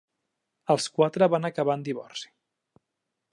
Els quatre van acabar en divorci.